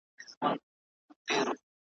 نه خرقه پوش نه پر منبر د پرهېز لاپي کوي `